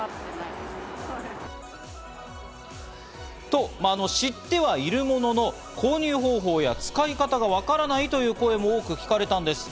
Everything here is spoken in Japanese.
と、まぁ知ってはいるものの、購入方法や使い方がわからないという声も多く聞かれたんです。